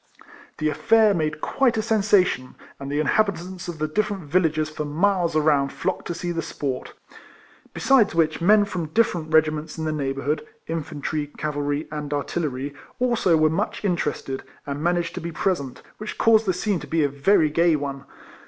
The affair made quite a sensation, and the inhabitants of the different villages for miles around flocked to see the sport ; besides which the men from different regiments in the neighbourhood, infantry, cavalry, and artillery, also were much interested, and managed to be present, which caused the scene to be a very gay one.